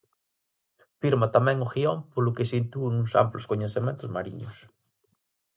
Firma tamén o guión polo que se intúen uns amplos coñecementos mariños.